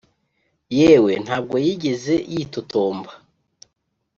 yewe ntabwo yigeze yitotomba